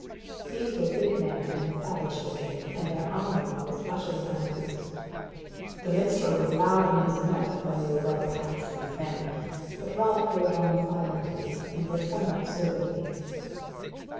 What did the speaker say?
These were big men, and savage looking, and their armour was utterly uncouth. The minstrel was loud in his mirth when they were well past these men; but Ralph rode on silently, and was somewhat soberly.